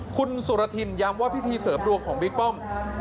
คุณสุรทินย้ำว่าพิธีเสริมดวงของบิ๊กป้อม